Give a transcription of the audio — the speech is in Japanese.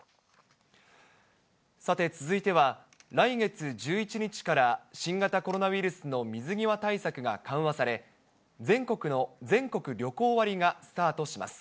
さて続いては、来月１１日から新型コロナウイルスの水際対策が緩和され、全国旅行割がスタートします。